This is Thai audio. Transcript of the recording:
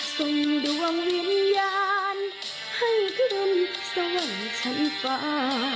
สว่างริญญาณให้ขึ้นสว่างชั้นฟ้า